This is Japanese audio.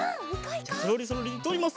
じゃあそろりそろりとおります！